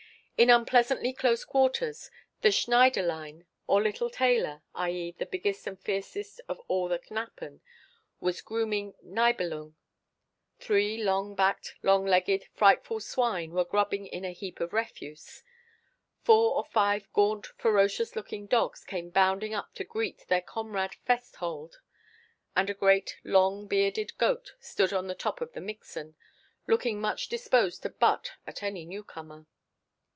In unpleasantly close quarters, the Schneiderlein, or little tailor, i.e. the biggest and fiercest of all the knappen, was grooming Nibelung; three long backed, long legged, frightful swine were grubbing in a heap of refuse; four or five gaunt ferocious looking dogs came bounding up to greet their comrade Festhold; and a great old long bearded goat stood on the top of the mixen, looking much disposed to butt at any newcomer.